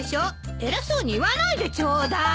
偉そうに言わないでちょうだい。